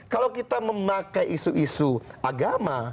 kalau kita memakai isu isu agama